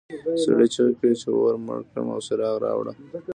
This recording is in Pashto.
سړي چیغې کړې چې اور مړ کړه او څراغ راوړه.